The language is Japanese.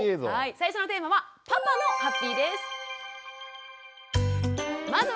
最初のテーマはパパのハッピーです。